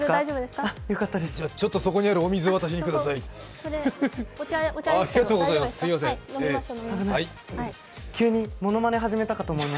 ちょっとそこにあるお水を私にください。